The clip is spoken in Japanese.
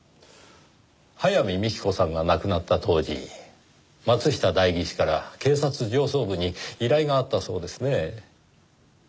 早見幹子さんが亡くなった当時松下代議士から警察上層部に依頼があったそうですねぇ。